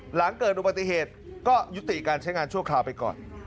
หลังเกิดอุบัติเหตุก็ยุติการใช้งานชั่วคราวไปก่อน